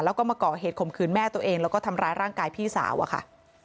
แล้วก็มาก่อเหตุข่มขืนแม่ตัวเองแล้วก็ทำร้ายร่างกายพี่สาวอะค่ะ